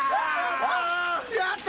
やった！